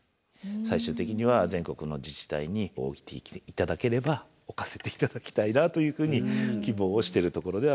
最終的には全国の自治体に置いて頂ければ置かせて頂きたいなというふうに希望をしてるところではございます。